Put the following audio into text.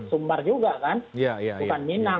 sumbar juga kan bukan minang